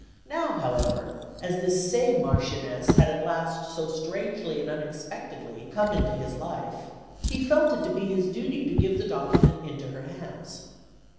Now, however, as this same Marchioness had at last so strangely and unexpectedly come into his life, he felt it to be his duty to give the document into her hands.